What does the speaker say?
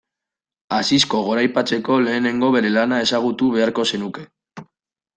Asisko goraipatzeko lehenengo bere lana ezagutu beharko zenuke.